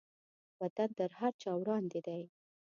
وطن تر هر چا وړاندې دی.